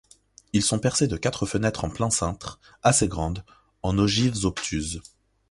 Ils sont percés de quatre fenêtres en plein cintre, assez grandes, en ogives obtuses.